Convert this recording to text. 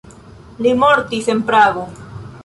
Li mortis en Prago.